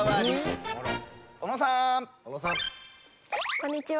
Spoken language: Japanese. こんにちは。